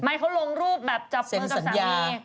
ไม่เขาลงรูปแบบจับมือกับสามี